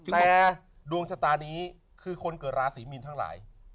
บอกว่าดวงชะตานี้คือคนเกิดราศีมีนทั้งหลาย